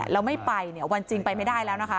แล้วไม่ไปเนี่ยวันจริงไปไม่ได้แล้วนะคะ